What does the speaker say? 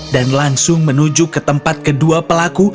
dan langsung menuju ke tempat kedua pelaku